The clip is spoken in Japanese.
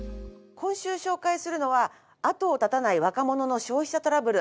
今週紹介するのは後を絶たない若者の消費者トラブル。